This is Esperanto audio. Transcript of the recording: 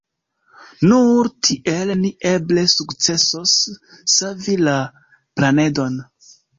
Nur tiel ni eble sukcesos savi la planedon.